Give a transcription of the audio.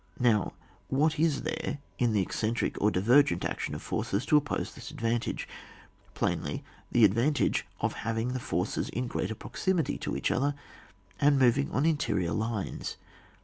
Now what is there in the eccentric or divergent action of forces to oppose to this advantage ? Plainly the advantage of having the forces in grater proximity to each other, and the moving on interior lines.